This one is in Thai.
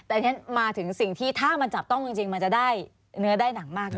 แต่ฉะนั้นมาถึงสิ่งที่ถ้ามันจับต้องจริงมันจะได้เนื้อได้หนังมากขึ้น